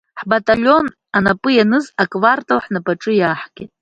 Ҳбаталион анап ианыз аквартал ҳнапаҿы иаагеит.